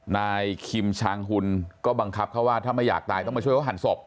นายคิมชางหุ่นก็บังคับเขาว่าถ้าไม่อยากตายต้องมาช่วยเขาหันศพ